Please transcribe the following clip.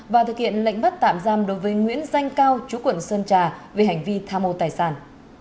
và thực hiện lệnh bắt tạm giam đối với nguyễn danh cao chú quận sơn trà về hành vi tham mô tài sản